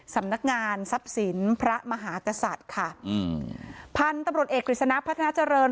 สำนักงานทรัพย์สินพระมหากษัตริย์ค่ะอืมพันธุ์ตำรวจเอกกฤษณะพัฒนาเจริญ